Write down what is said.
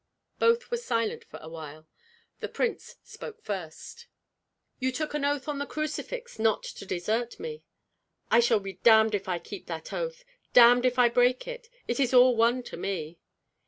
Both were silent for a while. The prince spoke first. "You took oath on the crucifix not to desert me." "I shall be damned if I keep that oath, damned if I break it. It is all one to me!"